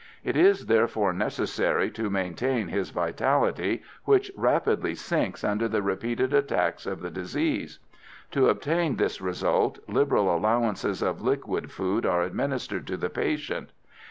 It is therefore necessary to maintain his vitality, which rapidly sinks under the repeated attacks of the disease. To obtain this result liberal allowances of liquid food are administered to the patient.